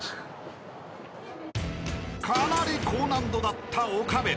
［かなり高難度だった岡部］